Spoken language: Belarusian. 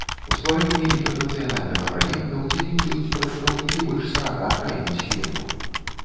У стварэнні інтэрнацыянальнага праекта ўдзельнічаюць прадстаўнікі больш сарака краін свету.